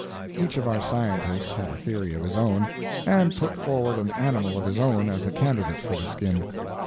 Each of our scientists had a theory of his own, and put forward an animal of his own as a candidate for the skin.